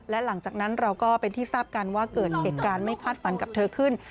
และหลังจากนั้นเราก็เป็นที่ทราบกันว่าเกิดเหตุการณ์ไม่คาดฝันกับเธอขึ้น